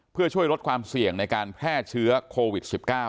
เพื่อช่วยลดความเสี่ยงในการแพร่เชื้อโควิด๑๙